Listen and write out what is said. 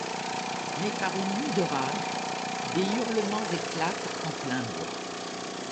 Mais par une nuit d'orage, des hurlements éclatent en plein bois.